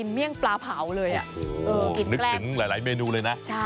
นึกถึงหลายเมนูเลยนะ